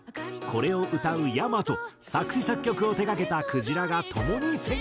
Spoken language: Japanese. これを歌うｙａｍａと作詞作曲を手がけたくじらがともに選曲。